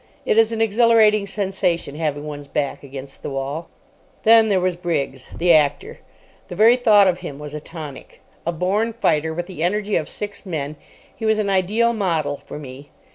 It is an exhilarating sensation having one's back against the wall. Then there was Briggs, the actor. The very thought of him was a tonic. A born fighter, with the energy of six men, he was an ideal model for me.